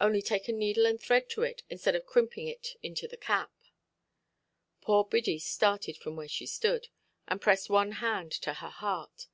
Only take a needle and thread to it; instead of crimping it into the cap". Poor Biddy started from where she stood, and pressed one hand to her heart.